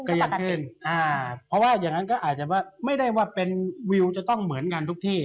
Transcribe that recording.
ก็ยากขึ้นอ่าเพราะว่าอย่างนั้นก็อาจจะว่าไม่ได้ว่าเป็นวิวจะต้องเหมือนกันทุกที่